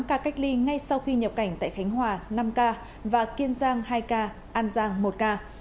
một ca cách ly ngay sau khi nhập cảnh tại khánh hòa năm ca và kiên giang hai ca an giang một ca